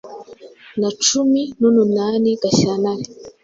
na cumi nununani Gashyantare